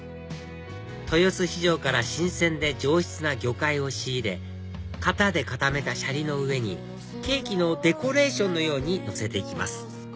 豊洲市場から新鮮で上質な魚介を仕入れ型で固めたシャリの上にケーキのデコレーションのようにのせていきます